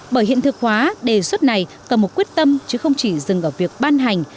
bởi hiện thực hóa đề xuất này cần một quyết tâm chứ không chỉ dừng ở việc ban hành